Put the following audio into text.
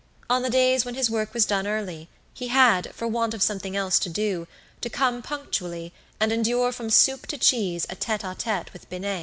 On the days when his work was done early, he had, for want of something else to do, to come punctually, and endure from soup to cheese a tête à tête with Binet.